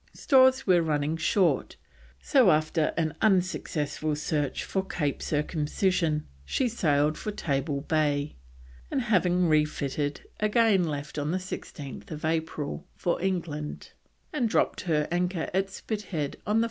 Stores were running short, so after an unsuccessful search for Cape Circumcision she sailed for Table Bay, and having refitted, again left on 16th April for England, and dropped her anchor at Spithead on 14th July 1774.